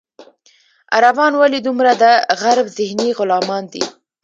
عربان ولې دومره د غرب ذهني غلامان دي.